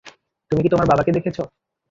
তুমি কি তোমার বাবাকে দেখেছো?